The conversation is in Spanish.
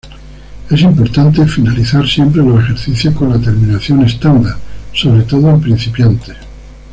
Es importante finalizar siempre los ejercicios con la terminación estándar, sobre todo en principiantes.